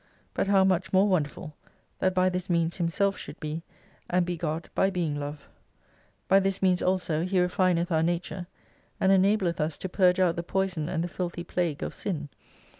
But how much more wonderful, that by this means Himself should be, and be God by being Love ! By this means also He ref ineth our nature, and enableth us to purge out the poison and the filthy plague of Sin.